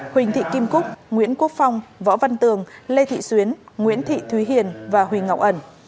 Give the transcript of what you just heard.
huỳnh thị kim cúc nguyễn quốc phong võ văn tường lê thị xuyến nguyễn thị thúy hiền và huỳnh ngọc ẩn